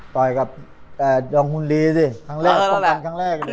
ปล่อยกับดองคุณรีสิครั้งแรกครั้งแรก